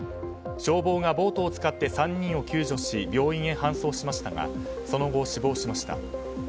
消防がボートを使って３人を救助し病院に搬送しましたがその後、死亡しました。